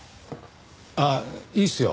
あっいいですよ。